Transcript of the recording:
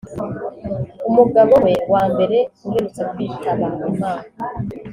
umugabo we wa mbere uherutse kwitaba Imana